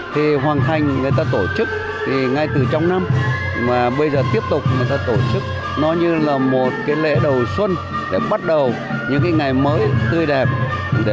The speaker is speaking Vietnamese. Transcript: thì hoàn thành người ta tổ chức thì ngay từ trong năm mà bây giờ tiếp tục người ta tổ chức nó như là một cái lễ đầu xuân để bắt đầu những cái ngày mới tươi đẹp